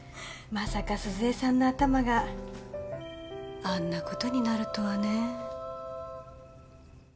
まさか鈴江さんの頭があんなことになるとはねぇ。